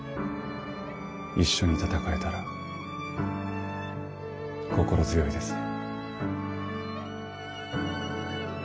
一緒に戦えたら心強いですね。